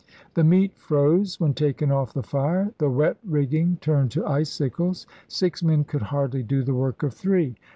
The meat froze when taken off the fire. The wet rigging turned to icicles. Six men could hardly do the work of three.